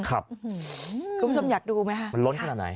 คุณผู้ชมอยากดูไหมคะ